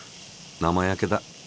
生焼けだ。